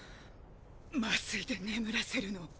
麻酔で眠らせるの。